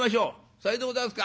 「さようでございますか。